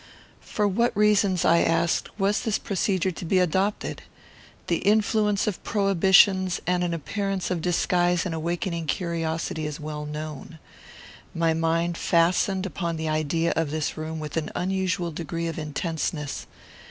For what reasons, I asked, was this procedure to be adopted? The influence of prohibitions and an appearance of disguise in awakening curiosity is well known. My mind fastened upon the idea of this room with an unusual degree of intenseness.